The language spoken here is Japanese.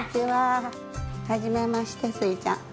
はじめましてスイちゃん。